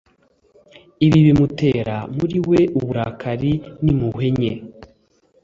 ibi bimutera muri we uburakari n'impuhwe nke,